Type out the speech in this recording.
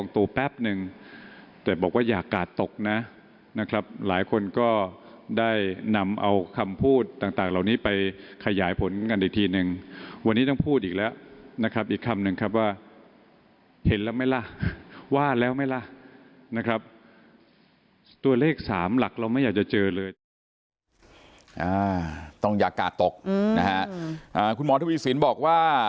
ต้องอยากกาดตกคุณหมอธวีสินบอกว่า